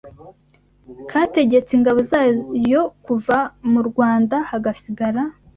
kategetse ingabo zayo kuva mu Rwanda hagasigara